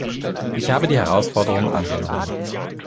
Ich habe die Herausforderung angenommen.